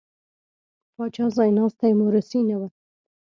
پاچا ځایناستی مورثي نه و.